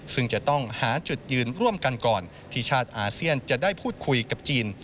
ซึ่งจะต้องหาจุดยืนร่วมกันก่อนที่ชาติอาเซียนจะได้พูดคุยกับจีน